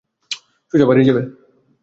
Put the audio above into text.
সোজা বাড়ি যাবে।